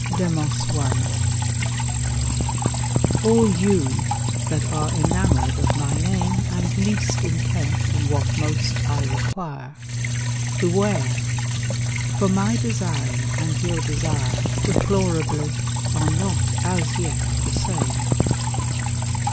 Demos I All you that are enamored of my name And least intent on what most I require, Beware; for my design and your desire, Deplorably, are not as yet the same.